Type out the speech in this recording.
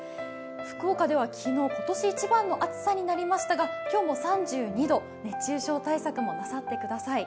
福岡では昨日今年一番の暑さになりましたが今日も３２度、熱中症対策もなさってください。